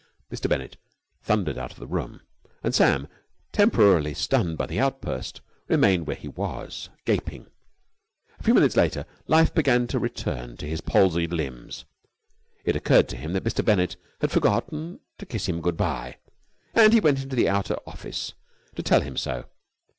Mr. Bennett thundered out of the room, and Sam, temporarily stunned by the outburst, remained where he was, gaping. A few minutes later life began to return to his palsied limbs. It occurred to him that Mr. Bennett had forgotten to kiss him good bye, and he went into the outer office to tell him so.